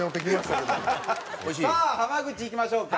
さあ濱口いきましょうか。